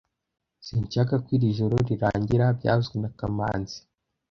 Sinshaka ko iri joro rirangira byavuzwe na kamanzi